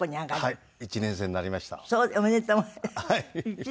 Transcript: はい。